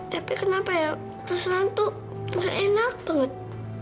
tapi kenapa ya keselam tuh gak enak banget